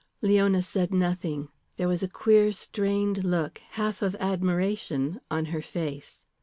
Leona said nothing. There was a queer, strained look, half of admiration, on her face.